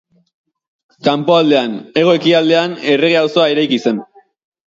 Kanpoaldean, hego-ekialdean, errege-auzoa eraiki zen.